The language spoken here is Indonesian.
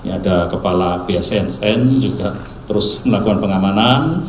ada kepala bsnsn juga terus melakukan pengamanan